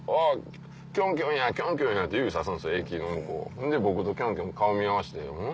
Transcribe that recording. ほんで僕とキョンキョン顔見合わせてうん？